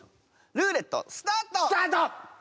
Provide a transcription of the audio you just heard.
ルーレットスタート！スタート！